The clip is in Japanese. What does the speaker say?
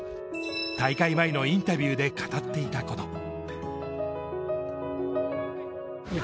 大会前のインタビューで語っていたこと。